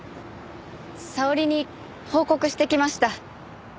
沙織に報告してきました。